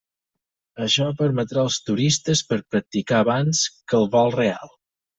Això permetrà als turistes per practicar abans que el vol real.